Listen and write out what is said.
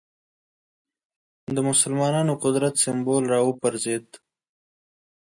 د مسلمانانو قدرت سېمبول راوپرځېد